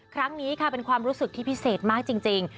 ครั้งนี้ค่ะเป็นความรู้สึกที่พิเศษมากจริง